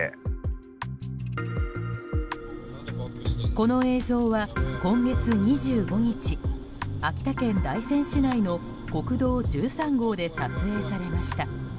この映像は今月２５日秋田県大仙市内の国道１３号で撮影されました。